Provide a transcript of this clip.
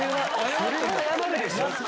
それは謝るでしょ。